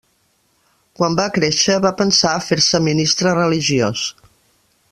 Quan va créixer, va pensar a fer-se ministre religiós.